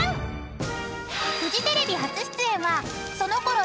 ［フジテレビ初出演はそのころ